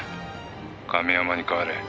「亀山に代われ」